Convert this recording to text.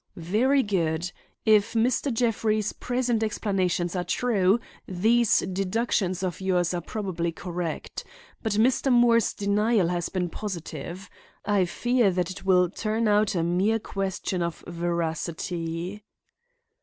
"Very good. If Mr. Jeffrey's present explanations are true, these deductions of yours are probably correct. But Mr. Moore's denial has been positive. I fear that it will turn out a mere question of veracity."